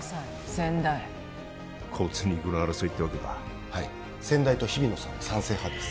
先代骨肉の争いってわけかはい先代と日比野さんは賛成派です